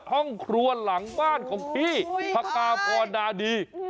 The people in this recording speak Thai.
ห้องครัวหลังบ้านของพี่พกาพรนาดี